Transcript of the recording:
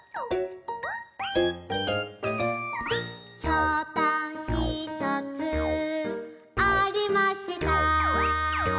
「ひょうたんひとつありました」